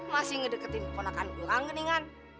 masih ngedeketin ponakan gua kan ini kan